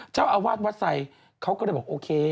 เจ้าอาวาสวัดไซค์เขาก็เลยบอกโอเค